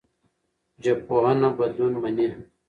ژبپوهنه بدلون مني.